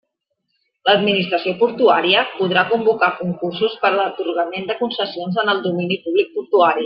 L'Administració Portuària podrà convocar concursos per a l'atorgament de concessions en el domini públic portuari.